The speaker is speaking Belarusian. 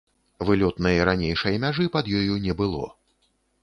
Вылётнай ранейшай мяжы пад ёю не было.